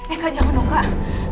eh kak jangan dong kak